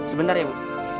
sebentar ya bu